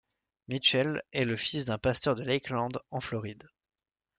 Mitchell est le fils d'un pasteur de Lakeland en Floride.